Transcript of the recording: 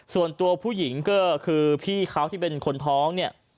ส่วนตัวผู้หญิงก็คือพี่เขาที่เป็นคนท้องเนี่ย